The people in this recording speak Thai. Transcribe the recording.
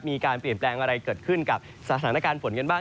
มีการเปลี่ยนแปลงอะไรเกิดขึ้นกับสถานการณ์ฝนกันบ้าง